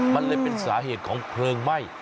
มันเลยเป็นสาเหตุของเพลิงไหม้